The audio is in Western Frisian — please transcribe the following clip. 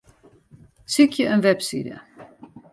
Sykje in webside.